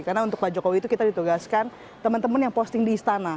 karena untuk pak jokowi itu kita ditugaskan teman teman yang posting di istana